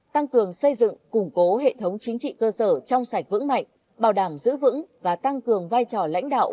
tăng cường xây dựng củng cố hệ thống chính trị cơ sở trong sạch vững mạnh bảo đảm giữ vững và tăng cường vai trò lãnh đạo